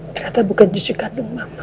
ternyata bukan cucu kandung mamah